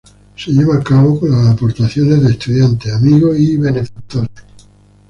Se lleva a cabo con las aportaciones de estudiantes, amigos y benefactores.